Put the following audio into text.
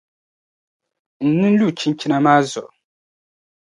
N nin lu chinchini maa zuɣu.